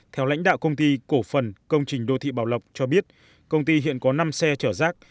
theo lãnh đạo công ty cổ phần công trình đô thị bảo lộc cho biết công ty hiện có năm xe chở rác